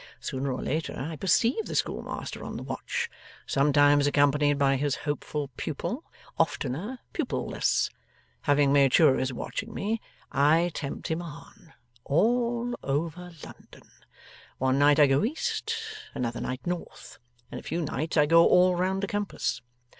Sooner or later, I perceive the schoolmaster on the watch; sometimes accompanied by his hopeful pupil; oftener, pupil less. Having made sure of his watching me, I tempt him on, all over London. One night I go east, another night north, in a few nights I go all round the compass.